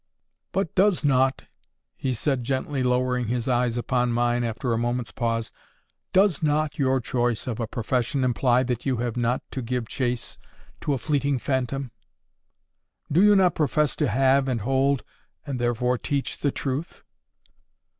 "But does not," he said, gently lowering his eyes upon mine after a moment's pause—"does not your choice of a profession imply that you have not to give chase to a fleeting phantom? Do you not profess to have, and hold, and therefore teach the truth?"